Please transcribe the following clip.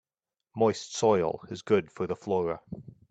Moist soil is good for the flora.